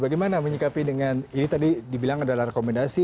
bagaimana menyikapi dengan ini tadi dibilang adalah rekomendasi